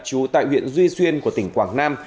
chú tại huyện duy xuyên của tỉnh quảng nam